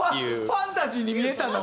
ファンタジーに見えたんだ。